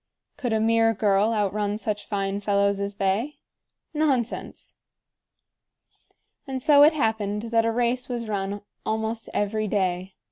Could a mere girl outrun such fine fellows as they? Nonsense! And so it happened that a race was run almost every day.